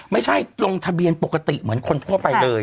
ไม่ใช่ลงทะเบียนปกติเหมือนคนทั่วไปเลย